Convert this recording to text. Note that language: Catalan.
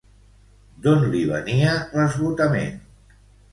D'on li venia l'esgotament?